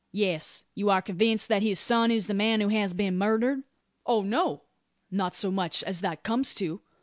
"Yes. You are convinced that his son is the man who has been murdered?" "Oh, no; not so much as that comes to.